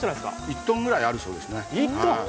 １トンくらいあるそうです。